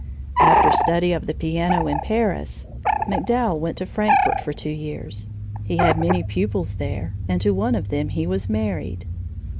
After study of the piano in Paris, MacDowell went to Frankfort for two years. He had many pupils there, and to one of them he was married.